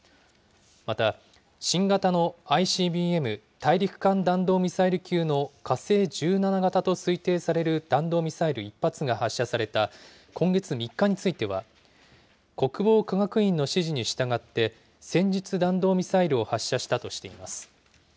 また、新型のＩＣＢＭ・大陸間弾道ミサイル級の火星１７型と推定される弾道ミサイル１発が発射された今月３日については、国防科学院の指示に従って、戦術弾道ミサイルを発射したとしています。